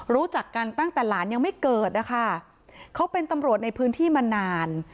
รู้จักกันตั้งแต่หลานยังไม่เกิดนะคะเขาเป็นตำรวจในพื้นที่มานาน